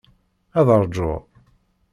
Ad ṛjuɣ.